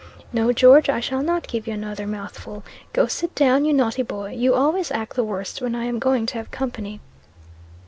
'No, George; I shall not give you another mouthful. Go sit down, you naughty boy. You always act the worst when I am going to have company.'